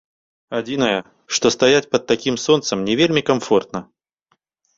Адзінае, што стаяць пад такім сонцам не вельмі камфортна.